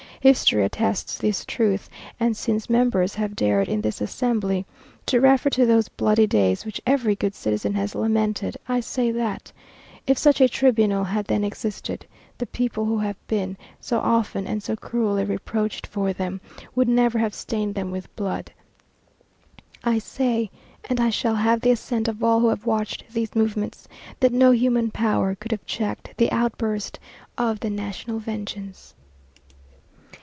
History attests this truth; and since members have dared in this assembly to refer to those bloody days which every good citizen has lamented, I say that, if such a tribunal had then existed, the people who have been so often and so cruelly reproached for them, would never have stained them with blood; I say, and I shall have the assent of all who have watched these movements, that no human power could have checked the outburst of the national vengeance."